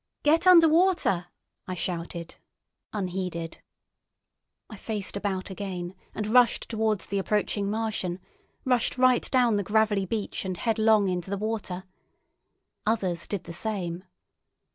"Get under water!" I shouted, unheeded. I faced about again, and rushed towards the approaching Martian, rushed right down the gravelly beach and headlong into the water. Others did the same.